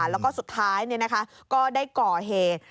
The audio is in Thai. แล้วก็สุดท้ายเนี่ยนะคะก็ได้ก่อเหตุ